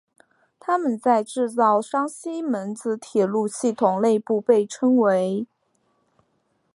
它们在制造商西门子铁路系统内部被称为。